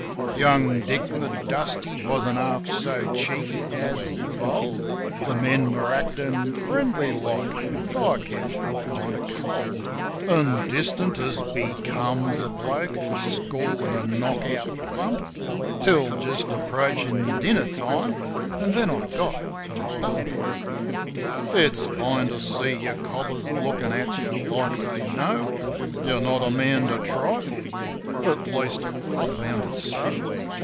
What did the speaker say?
Young Dick, the Dusty, wasn't half so cheeky as of old; The men were actin' friendly like, but I kept kind of cold An' distant, as becomes a bloke who's scored a knock out thump — Till just approachin' dinner time; an' then I got my bump. 40 JIM OF THE HILLS It's fine to see your cobbers lookin' at you like they know You're not a man to trifle with; at least, I found it so.